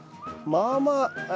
まあまあ。